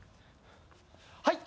はい。